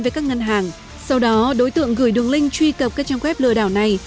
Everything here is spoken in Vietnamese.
với các ngân hàng sau đó đối tượng gửi đường link truy cập các trang web lừa đảo này